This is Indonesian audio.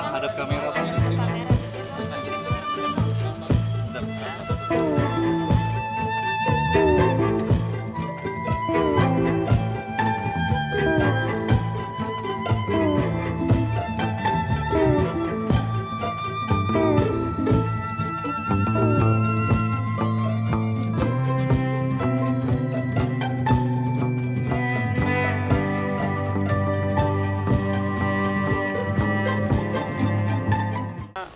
hadap kamera pak